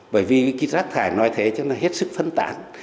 bởi vì cái rác thải nói thế chứ nó hết sức phân tản